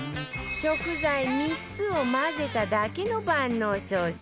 食材３つを混ぜただけの万能ソース